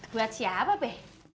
buat siapa be